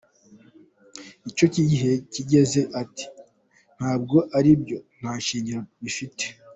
Icyo gihe yagize ati“ Ntabwo aribyo, nta shingiro bifite.